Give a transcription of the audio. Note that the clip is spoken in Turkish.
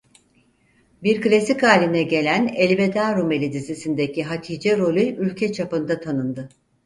Bir klasik hâline gelen Elveda Rumeli dizisindeki Hatice rolü ülke çapında tanındı.